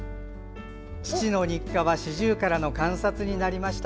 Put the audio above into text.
父の日課はシジュウカラの観察になりました。